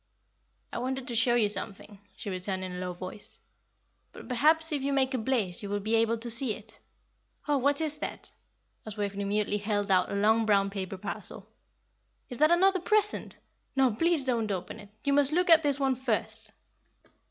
"I wanted to show you something," she returned, in a low voice; "but perhaps if you make a blaze you will be able to see it. Oh, what is that?" as Waveney mutely held out a long brown paper parcel. "Is that another present? No, please don't open it; you must look at this one first."